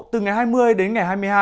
từ ngày hai mươi đến ngày hai mươi hai